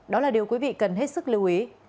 đó là điều quý vị cần hết sức lưu ý